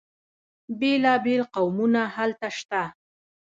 بیلا بیل قومونه هلته شته.